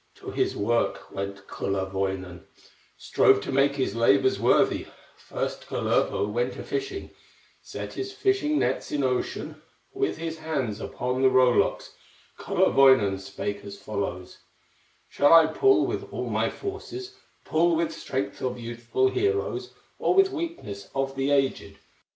To his work went Kullerwoinen, Strove to make his labors worthy; First, Kullervo went a fishing, Set his fishing nets in ocean; With his hands upon the row locks, Kullerwoinen spake as follows: "Shall I pull with all my forces, Pull with strength of youthful heroes, Or with weakness of the aged?"